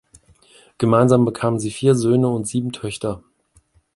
Gemeinsam bekamen sie vier Söhne und sieben Töchter.